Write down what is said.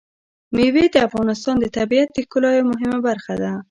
مېوې د افغانستان د طبیعت د ښکلا یوه مهمه برخه ده.